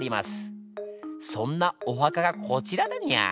そんなお墓がこちらだにゃー。